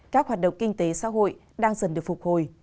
các hoạt động kinh tế xã hội đang dần được phục hồi